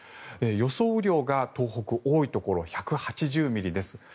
雨量が東北多いところ、１８０ミリです。